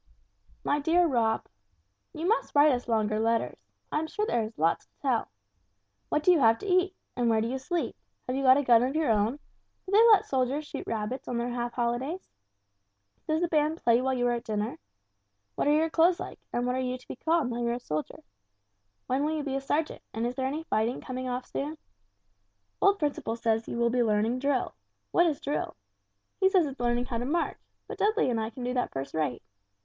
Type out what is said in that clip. "MY DEAR ROB: "You must write us longer letters. I am quite sure there is lots to tell. What do you have to eat? And where do you sleep? Have you got a gun of your own? Do they let soldiers shoot rabbits on their half holidays? Does the band play while you are at dinner? What are your clothes like, and what are you to be called, now you're a soldier? When will you be a sergeant, and is there any fighting coming off soon? Old Principle says you will be learning drill. What is drill? He says it's learning how to march, but Dudley and I can do that first rate.